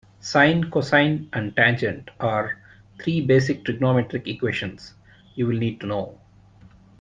Sine, cosine and tangent are three basic trigonometric equations you'll need to know.